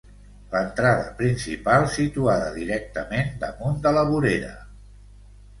L'entrada principal situada directament damunt de la vorera.